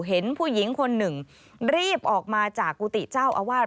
เห็นผู้หญิงคนหนึ่งรีบออกมาจากกุฏิเจ้าอาวาส